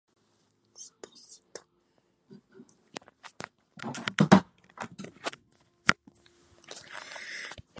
La ubicación original se ha perdido.